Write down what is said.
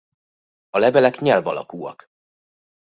A levelek nyelv alakúak.